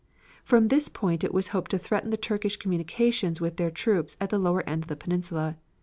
From this point it was hoped to threaten the Turkish communications with their troops at the lower end of the Peninsula.